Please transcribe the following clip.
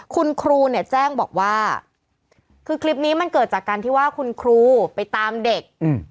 คุณครูเนี่ยแจ้งบอกว่าคือคลิปนี้มันเกิดจากการที่ว่าคุณครูไปตามเด็ก